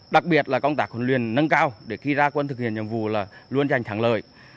đặc biệt là công tác huấn luyện nâng cao để khi ra quân thực hiện nhiệm vụ là luôn giành thắng lợi